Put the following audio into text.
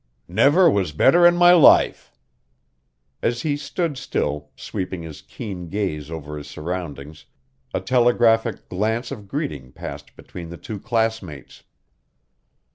"Never was better in my life." As he stood still, sweeping his keen gaze over his surroundings, a telegraphic glance of greeting passed between the two classmates.